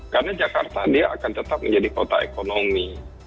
karena jakarta dia akan tetap menjadi kota ekonomi